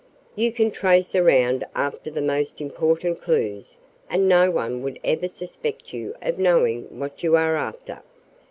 You can trace around after the most important clues and no one would ever suspect you of knowing what you are after.